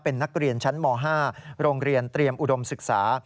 เป็นนักเรียนชั้นม๕โรงเรียนเตรียมอุดมศึกษา